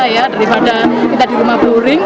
daripada kita di rumah bluring